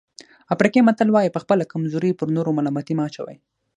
افریقایي متل وایي په خپله کمزوري پر نورو ملامتي مه اچوئ.